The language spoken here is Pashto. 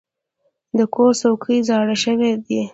د کور څوکۍ زاړه شوي دي.